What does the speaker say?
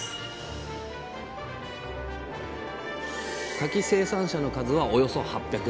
柿生産者の数はおよそ８００。